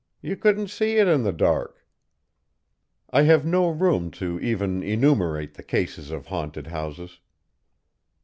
You couldn't see it in the dark! I have no room to even enumerate the cases of haunted houses.